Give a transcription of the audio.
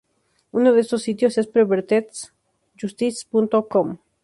Uno de estos sitios es Perverted-Justice.com.